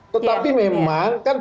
tetapi memang kan